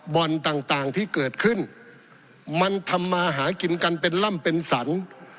ต่างต่างที่เกิดขึ้นมันทำมาหากินกันเป็นล่ำเป็นสรร